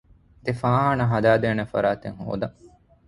ދެ ފާޚާނާ ހަދައިދޭނެ ފަރާތެއް ހޯދަން